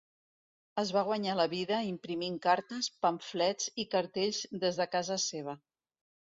Es va guanyar la vida imprimint cartes, pamflets i cartells des de casa seva.